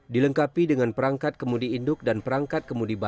dilengkapi dengan perangkat kemudi induk dan perangkat kemudi bangunan